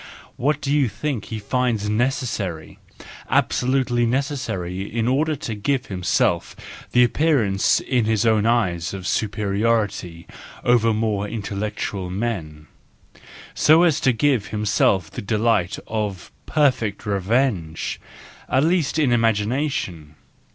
... What do you think he finds necessary, absolutely necessary in order to give himself the appearance in his oWn eyes of superi¬ ority over more intellectual men, so as to give himself the delight of perfect revenge , at least in imagination?